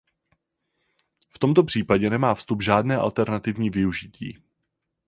V tomto případě nemá vstup žádné alternativní využití.